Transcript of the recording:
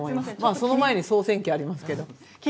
その前に総選挙ありますけど。